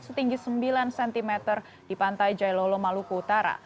setinggi sembilan cm di pantai jailolo maluku utara